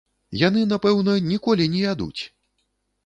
Яны, напэўна, ніколі не ядуць!